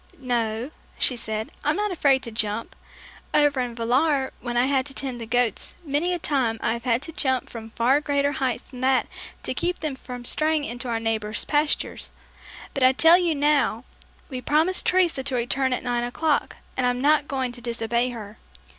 "No," she said, "I'm not afraid to jump. Over in Villar, when I had to tend the goats, many a time I have had to jump from far greater heights than that to keep them from straying into our neighbor's pastures; but I tell you now, we promised Teresa to return at nine o'clock, and I'm not going to disobey her."